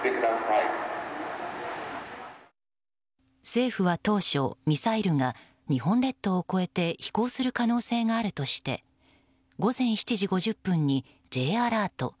政府は当初、ミサイルが日本列島を越えて飛行する可能性があるとして午前７時５０分にＪアラート